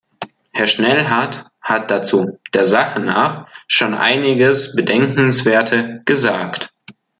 Herr Schnellhardt hat dazu der Sache nach schon einiges Bedenkenswerte gesagt.